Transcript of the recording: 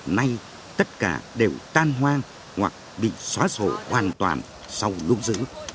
nay tất cả đều tan hoang hoặc bị xóa sổ hoàn toàn sau lúc giữ